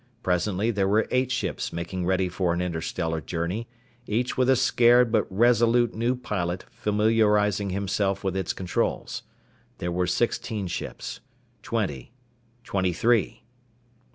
Presently there were eight ships making ready for an interstellar journey, each with a scared but resolute new pilot familiarizing himself with its controls. There were sixteen ships. Twenty. Twenty three.